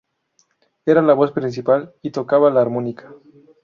Era la voz principal y tocaba la armónica.